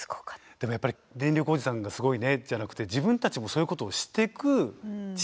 でもやっぱり「電力おじさんがすごいね」じゃなくて自分たちもそういうことをしてく知識は必要ですよね。